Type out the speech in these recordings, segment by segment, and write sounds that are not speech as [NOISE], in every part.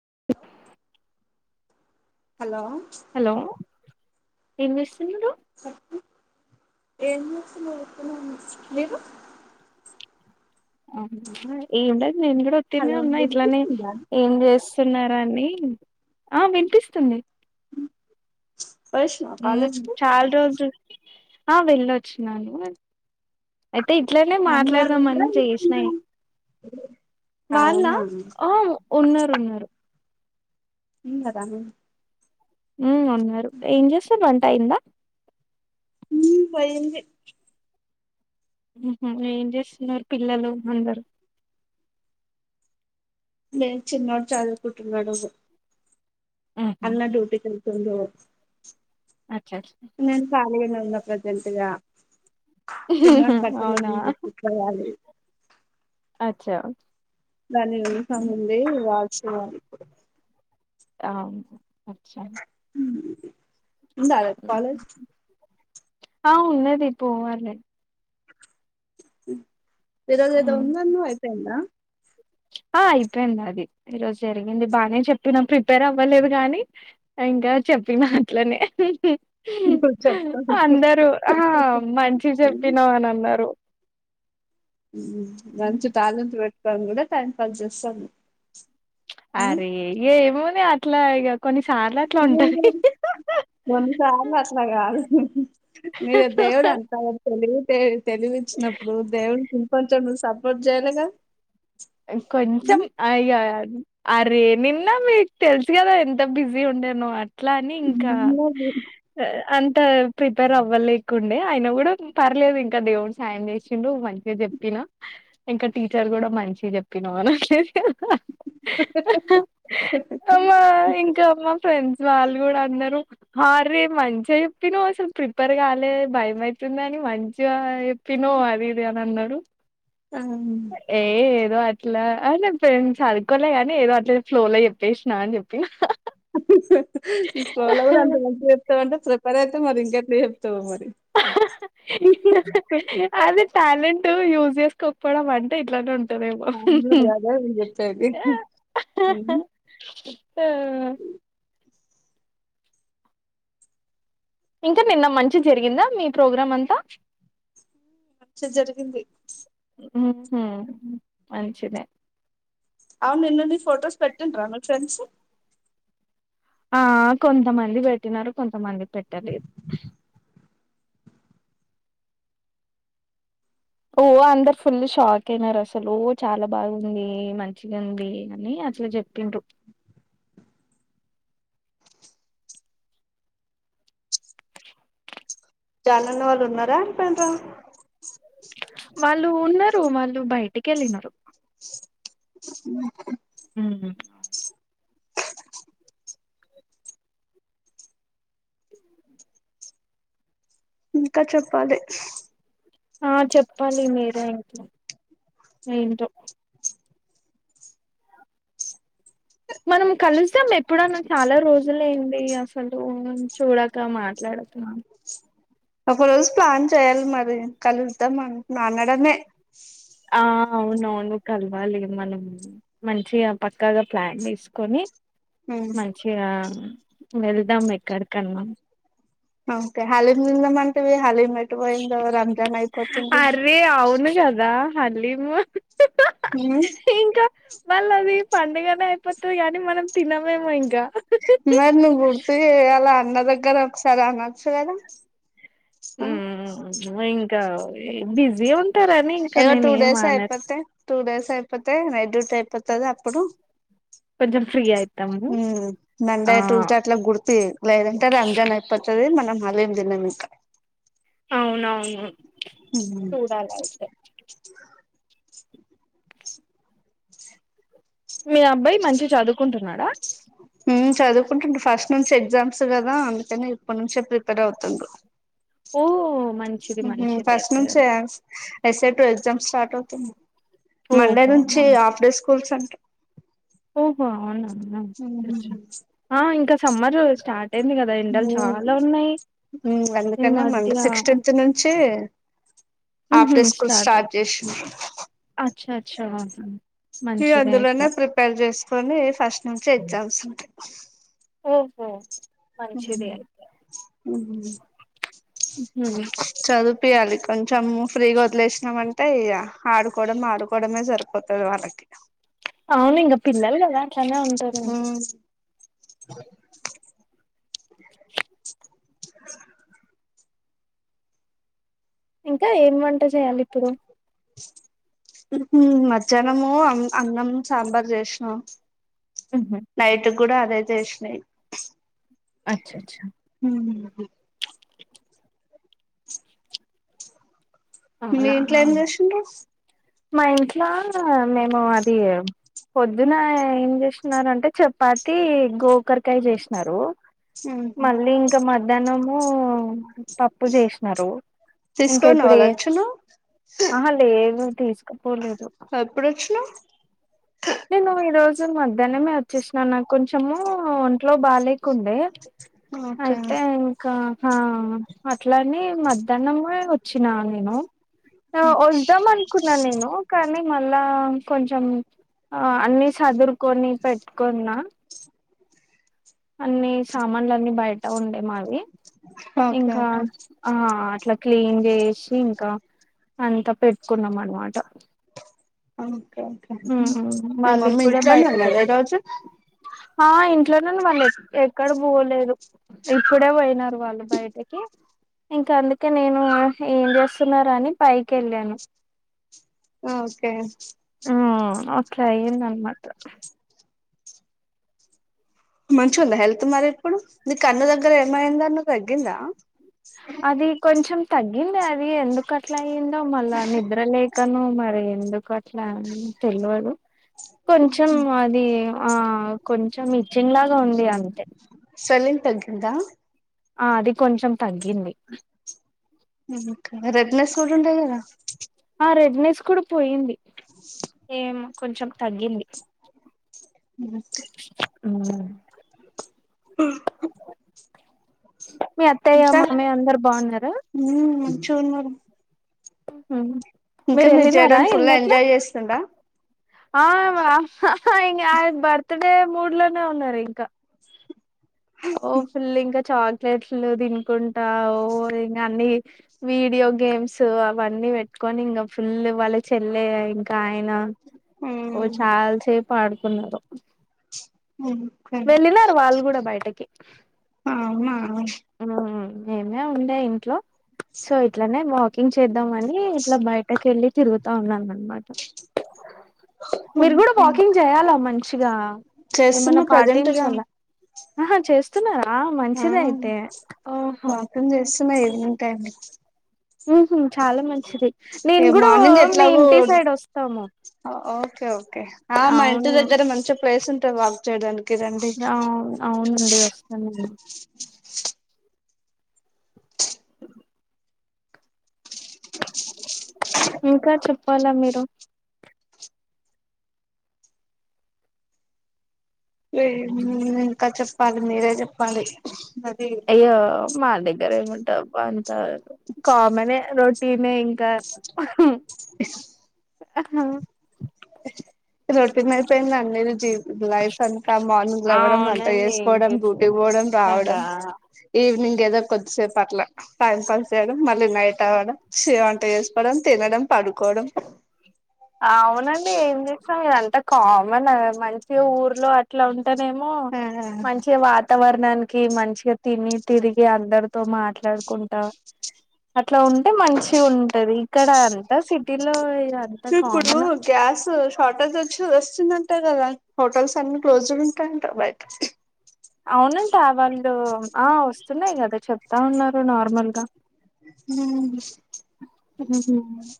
మ్మ్ hello hello ఏం చేస్తున్నావ్ స ఏం చేస్తున్నావ్ హమ్ మీరు ఆ ఏం ఉండ్ నేను గుడా ఒత్తినే హలో ఉన్నా ఇట్లనే వినిపిస్తుందా ఏం చేస్ స్తున్నారా అండి ఆ వినిపిస్తుంది వచ్చినవా కాలేజ్ ఉమ్ కి చాల్ రోజు ఆ వెళ్ళొచ్చినాను అయితే ఇట్లనే మమ్మీ వాళ్ళు మాట్లాడదాం అని ఉన్నారా చేసినాయి వాళ్ళ అవునా ఆ ఉన్నారు ఉన్నారు ఊన్ గదా హమ్ ఉన్నరు ఏం చేస్తరు వ అయిందా ఊ పోయింది హమ్మ్ ఏం చేస్తున్నారు పిల్లలు అందరూ లేదు చిన్నోడు చదువుకుంటున్నాడు ఉహు, అన్న డ్యూటీకి ఎల్లిపోయిండు అచ్చా అచ్చా. నేన్ కాలిగానే ఉన్నా ప్రెసెంట్గా ఉహు, చిన్నోన్ అవునా బట్టలన్నీ దీంట్లో వేయాలి అచ్చా దాన్ని వినక ముందే రాసుండాలి బ అవు అచ్చ ఉందా రేపు కాలేజ్ ఆ ఉన్నది పోవాలే హమ్ ఈరోజేదో ఉమ్. ఉందన్నావ్ అయిపోయిందా ఆ అయిపోయింది అది ఈరోజు జరిగింది బానే చెప్పినం ప్రిపేర్ అవ్వలేదు గానీ ఇంకా చెప్పిన అట్లనే ఇప్పుడు చెప్తా అహహా అందరూ ఆ మంచి చెప్పినావ్ అని అన్నారు మంచు టాలెంటు నీ కూడా టైం కలిసొస్తుంది చమ్ అరే ఏమోలే అట్ల కొన్ని సార్లు అస్సలగా ఉహూ మీరు దేవడు అంతా అ తెలివి ఇచ్చినప్పుడు దేవుడి ఇంకొంచెం నువ్వు సపోర్ట్ చేయ్యాలగా కొంచెం అయాదు అరే నిన్న మీకు తెలుసు కదా ఎంత బిజీ ఉండేనో అట్లా అని ఇంకా ఉన్నది. అ ప్రిపేర్ అవ్వ లేకుండే అయినా కూడా పర్లేదు ఇంకా దేవుని సాయం చేసిండు మంచిగా చెప్పిన ఇంకా టీచర్ కూడా మంచి త చెప్పినవన స మా ఇంకా మా స ఫ్రెండ్స్ వాళ్ళు కూడా అన్నారు హ రే మంచిగా చెప్పినో అసలు ప్రిపేర్ కాలే భయం అయితుంద అని మంచిగా చెప్పినో అది ఇది అని అన్నారు ఆ ఏ ఏదో అట్లా అ ఫ్రెండ్ సదుకోలే గానీ ఏదో అట్లే ఫ్లో లో చెప్పేసినా అని చెప్పి సోల కూడా అంత మంచి చేత్తవంట ప్రిపేర్ అయితే మరి ఇంకేటీ అదే ట్యాలెంట్ టు యూజ్ చేసుకోకపోవడం అంటే ఇట్లానే ఉంటుంది దేమో అవును, అదే నేను చెప్పేది ఉమ్, ఇంకా నిన్న మంచి గ జరిగిందా మీ ప్రోగ్రాం అంతా మంచిగ జరిగింది ఉహూ.. మ్ మంచిదే అవును నిన్న ని ఫొటోస్ పెట్టిండ్రా మీ ఫ్రెండ్స్ ఆ కొంతమంది పెట్టినారు కొంతమంది పెట్టలేదు ఓ అందరు ఫుల్ షాక్ అయినారు అసలు చాలా బాగుంది మంచిగా ఉంది అని అట్లా చెప్పిండ్రు జాలన్న వాళ్ళు ఉన్నారా ఎల్లిపోయిండ్ర వాళ్ళు ఉన్నారు వాళ్ళు బయటికెళ్ళినారు ఉహ్ మ్.. ఇంకా చెప్పాలి ఆ... చెప్ ప్పాలి మీరే ఇంకా ఏంటో మనం కలుద్దాం ఎప్పుడన్నా చాలా రోజులైంది అసలు చూడక మాట్లాడుతున్నాను ఒక రోజు ప్లాన్ చేయ్యాలి మరి కలుద్దాం అం అనడమే ఆ అవునవును కలవాలి మనం మంచిగా పక్కాగా ప్లాన్ చేసుకొని మంచిగా వెళ్దాం ఎక్కడికన్నా అ.. ఓకే హాలీం... తిందం అంటవె. హాలీం ఎటు పోయిందో రంజాన్ అయిపోతుంది అరే అవును కదా హలీము హ్మ్ ఇంకా వాళ్ళది పండుగనే అయిపోతుది కానీ మనం తినమేమో ఇంకా మరి నువ్వు గుర్తు చేయాలా అన్న దగ్గర ఒకసారి అనొచ్చు కదా మ్మ్ ఇంకా బిజి ఉ ఏవో టూ డేస్ అయిపోతే టూ డేస్ అయిపో నైట్ డ్రెస్ అయిపోతది అప్పుడు కొంచెం ఫ్రీ అయితాము. మ్మ్ ఆ మండే ట్యూస్డే అట్లా గుర్తుచే లేదంటే రంజన్ అయిపోతది మనం మాలం దిన మీకా అవునవును చూడాల అయితే మీ అబ్బాయి మంచిగా చదువుకుంటున్నాడా చదుఉకుంటుండు ఫస్ట్ నుంచి ఎగ్జామ్స్ కదా అందుకని ఇప్పడనుంచే ప్రిపేర్ అవుతుండు ఓ మ ఫస్ట్ నుంచే S A two exams start అవుతుంది మండే ఓహో! నుంచి హాఫ్ డే స్కూల్స్ అంట ఓహో అవునా ఆ‌ ఇంకా సమ్మరూ మ్మ్ మ్మ్ ఈ అందుకనే మధ్య మండే సిక్స్టీన్త్ నుంచీ హాఫ్ హుహు డే స్కూల్ స్టార్ట్ చేసి చ్చ అచ్చహ ఇ అందులోనే ప్రిపేర్ చేసుకొని ఫస్ట్ నుంచి ఎగ్జామ్స్ ఉంటాయి ఓహో మ్మ్ మంచిదే. మ్మ్ మ్మ్ హ్మ్ ప్యాలకు కొంచమ్ము ఫ్రీ గా వద్లేస్నాం అను అంతే ఇగా ఆడుకోవడం ఆడుకోవడమే సరిపోతది వాళ్ళకి అవును ఇంగా పిల్లలు కదా అట్లానే ఉంటారండి అ [INAUDIBLE] ఇంకా ఏం వంట చేయాలి ఇప్పుడు మధ్యనము అన్నం సాంబార్ చేశ్న ఉహు కూడా అదే చేసినాయి అచ్చ అచ్చా మ్.... మీ అవునా ఇంట్లో ఏం చేసిండ మా ఇంట్లో మేము అది పొద్దున ఏం చేస్తున్నారు అంటే చపాతి గో కుక్కరకాయ చేసిన మళ్ళ ఇంకా మధ్యానము పప్పు చేసిన ఇంకా తీసుకోనివా ఇప్పుడు ఎ లంచ్ ను ఆహా లేదు తీస్కో ఎప్పుడోచ్చినవ్ సో మధ్యనామే వచ్చేసిన నాకు కొంచెము ఒంట్లో బాగాలే కుండే ఓకే అయితే ఇంకా హ అట్లని మధ్యానం గూడా వచ్చినా నేను వాదం అనుకున్నా నేను కానీ మళ్ళా కొంచం ఆ అన్నీ సదుర్కొని పెట్టుకున్నా అన్ని సామాన్లు అన్ని బయట ఉండే మావి ఓకే ఇంకా ఓకే అట్లా క్లీన్ చేసి షి ఇంకా అంతా పెట్టుకున్నాం అనమాట అవును మీ వాళ్ళు మమ్మీ ఇప్పుడే ఇంట్లోనే బయటకు ఉన్నారా ఈ రోజు ఆ ఇంట్లోనుండి వాళ్ళు ఎక్కడికి పోలేదు ఇప్పుడే పోయినారు వాళ్ళు బయటకి ఇంకా అందుకే నేను ఏం చేస్తున్నరా అని పైకి వెళ్ళాను ఓకే ఉమ్.. ఓకే అయిందన్నమాట మంచి ఉందా హెల్త్ మరి ఇప్పుడు నీకు కన్న దగ్గర ఏమైందా అన్న తగ్గిందా అది కొంచెం తగ్గింది అది ఎందుకు అట్లా ఏందో మల్లా నిద్రలే లేక కన్ను మరి ఎందుకు అట్లా తెలివదు కొంచెం అది ఆ కొంచెం ఇచ్చింగ్ లాగా ఉంది అంతే స్వెల్లింగ్ తగ్గిందా ఆ అది కొంచెం తగ్గింది రెడ్నెస్ కూడా ఉంటాయి కదా ఆ రెడ్నెస్ కూడా పోయింది ఏం కొంచెం తగ్గింది [UNINTELLIGIBLE] ఉం మ్ మీ అత్తయ్య మామయ్య అందరు బాఉన్నారా చూ మరి మ్ ఇంకా మీ జడన్ ఫుల్ ఎంజాయ్ చేస్తుండా ఆవ హ హ ఇం ఆయిన్ బర్త్ డే మూడ్ లోనే ఉన్నారు ఇంకా ఓ ఫుల్ ఇంకా చాక్లెట్లు తినుకుంటా ఇంగ అన్ని వీడియో గేమ్స్ అవన్నీ పెట్టుకొని ఇంకా ఫుల్ వాళ్ళ చెల్లే ఇంకా ఆయన ఓ ఉమ్ చాల్సేపు ఆడుకున్నారు ఓకే వెళ్ళినారు వాళ్ళు గూడా బయటకి అవునా అం ఏమే ఉండే ఇంట్లో సొ ఇట్లనే ఇం చేద్ ద్దాం అని ఇట్లా బయటకి వెళ్ళి తిరుగు తావున్నా అనమాట మీరు గుడ వాకింగ్ చేయాలా మంచిగా చేస్తున్న ఏమన్నా పాటిం ప్రజెంట్గా చాల అహా చేస్తున్నారు ఆ వాకిం చేస్తుమ ఏమింటాయి ఉ.. హుమ్ చాలా మంచి ఏ మార్నింగ్ ఎట్లాగో సైడ్ వస్తాము ఓకే ఓకే ఆ మా ఇంటి అవును దగ్గర మంచి ప్లేస్ ఉంటుంది బ చేయడానికి రండి ఆ అవునండి వస్తానుడి [INAUDIBLE] ఇంకా చెప్పాలా మీరు లేం ఇంకా చెప్పాలి మీరే చెప్పాలి అది అయ్యో మా దగ్గర ఏముంటా అంత కామెనే రో తినెయి కా ఉహు అహ రోటీన్ అయిపోయింది అందరి జీవీ బో లైఫ్. ఇంకా మార్నింగ్ లేవడం, వంట అవునండి ఏం వేసుకోవడం, డూటి చేస్తాం పోవడం రావడం, నిజంగా ఈవినింగ్. ఏదో కొద్దిసేపు అట్లా, టైం పాస్ చేయడం, మళ్ళీ నైట్ అవడం. షేవ్ వంట చేసుకోవడం తినడం. పడుకోోడం. అవునండి ఏం చేసాం ఇదంతా కామన్ నా మంచిగా ఊర్లో అట్లా ఉ. అంటే నేమో ఆ మంచి వాతావరణాని. ఎం మంచిగా తిని తిరిగి అందరితో మాట్లాడుకుంటా. ఇట్లా ఉంటే మంచి గ ఉంటది ఇక్కడ అంతా సిటీలో అంత. సో ఇప్పుడు గ్యాస్. షార్టేజ్ వచ్చి వస్తుందంట కదా హోటల్స్ అన్ని క్లోజ్ ఉంటాయింట బయట. అవును. ఇంకా వాళ్ళు ఆ వస్తున్నాయి గదా చెప్. ఎక్క ఉన్నారు నార్మల్గా. [INAUDIBLE] [UNINTELLIGIBLE]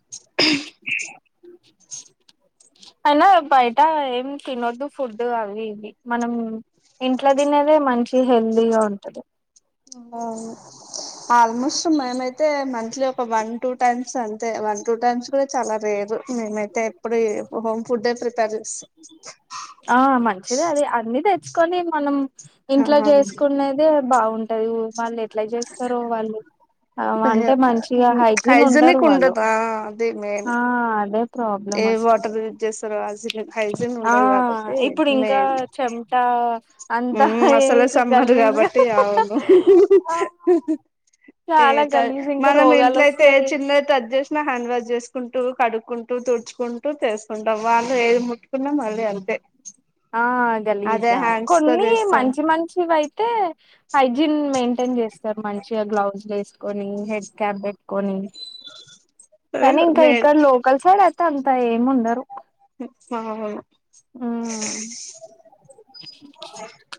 అయినా బయట ఏం తినొద్దు ఫుడ్ అవి ఇవీ, మనం, ఇంట్లో తినేదే మంచి హెల్తీగా ఉంటది. ఆల్మోస్ట్ మేమైతే, మంత్లీ ఒక వన్ టూ టైమ్స్ అంతే, వన్ టూ టైమ్స్ కూడా చాలా రేరు, మేమైతే ఎప్పుడు హోమ్ ఫుడే ప్రిపేర్. చేస్తాం ఆ మంచిదే అది అన్ని తెచ్చుకొని మనం ఇంట్లో చేసుకున్నదే బాగు. తెలుగు మాల్లె. ఎట్లా జెస్తారో వాళ్ళు అ అంటే మంచిగా హయ్జిన్ ఉంటారు హైజనిక్ వాళ్ళు ఉండదు ఆ అది మెయిన్ ఆ. ప్రాబ్లం ఏ అసలు వాటర్ యూజ్ జెస్తారో అది. హైజీన్ ఆ ఉండదు కాబట్టి ఇప్పుడు ఇంకా మెయిన్, చెమటా అ అంతా అసలు ఏసి సమ్మర్ గలీజ్గా కాబట్టి అవును, ఆ ఏ చాలా ట గలీజ్ ఇంకా మనం రోగాలు ఇంట్లో అయితే ఏ వస్తాయి చిన్న తచ్చ్ చేసినా హ్యాండ్ వాష్ చేసు. కుంటూ కడుక్కు. అంటే తేచుకుంటె తెసుకుంటాం వాళ్ళు ఏది ముట్టుకున్నా మళ్ళీ అంతే. ఆ అదే గలీజ్గా హ్యాండ్స్ తో కొన్నీ చేస్తాను మంచి మంచివి అయితే హైజీన్ మెయింటైన్ చేస్తారు మంచిగా గ్లౌజ్ వేస్. కొన్నీ హెడ్ క్యాబ్ బెట్కొని. కాని ఇంకా నేను ఇక్కడ లోకల్ సైడ్ ఐతే అన్. ఇక్కడ ఎం ముండరు. [UNINTELLIGIBLE] మ్మ్ [INAUDIBLE]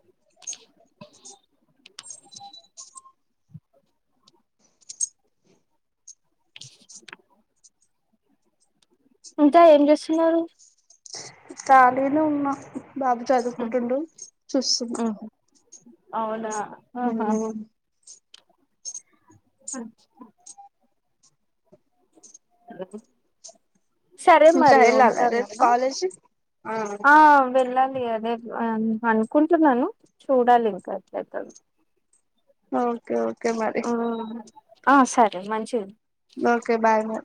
[INAUDIBLE] ఇంకా ఏం జెస్తున్నారు. కాలినే ఉన్నా. బాబు మ్మ్ చదువుకుంటుండు చూస్తున్న. అవ్నా హ్మ అ హలో సరే ఇంకా మరి వెళ్ళాలా ఉంటా రేపు నేను కాలేజీ ఆ వెళ్ళాలి అదే అనుకుంటున్నాను చూడాలి ఇంకా ఎట్లతుంది ఓకే ఓకే క్కే మరి ఆ సరే మంచి ఓకే బాయ్ బై